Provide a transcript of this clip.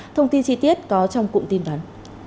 thông tin chi tiết có trong cụm tin đoán